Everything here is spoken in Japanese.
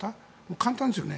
簡単ですよね。